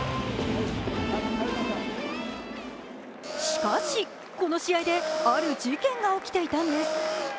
しかし、この試合である事件が起きていたんです。